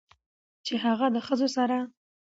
چې هغه د ښځو سره